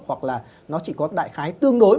hoặc là nó chỉ có đại khái tương đối